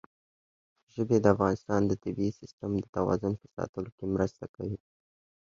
ژبې د افغانستان د طبعي سیسټم د توازن په ساتلو کې مرسته کوي.